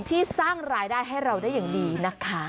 ที่สร้างรายได้ให้เราได้อย่างดีนะคะ